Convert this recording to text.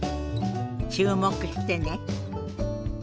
注目してね。